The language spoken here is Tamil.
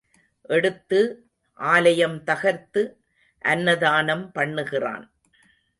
எடுத்து, ஆலயம் தகர்த்து அன்னதானம் பண்ணுகிறான்.